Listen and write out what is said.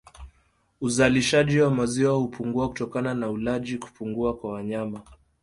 Uzalishaji wa maziwa hupungua kutokana na ulaji kupungua kwa wanyama